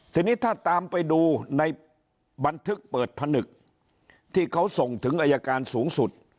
ทีนี้ถ้าตามไปดูในบันทึกเปิดผนึกที่เขาส่งถึงอายการสูงสุด